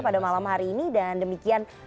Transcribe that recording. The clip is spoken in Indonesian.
pada malam hari ini dan demikian